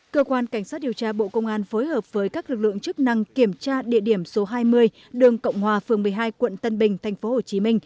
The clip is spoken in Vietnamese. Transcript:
cơ quan cảnh sát điều tra bộ công an phối hợp với các lực lượng chức năng kiểm tra địa điểm số hai mươi đường cộng hòa phường một mươi hai quận tân bình tp hcm